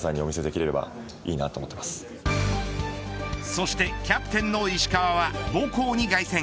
そしてキャプテンの石川は母校に凱旋。